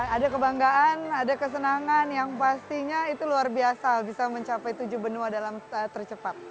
ada kebanggaan ada kesenangan yang pastinya itu luar biasa bisa mencapai tujuh benua dalam tercepat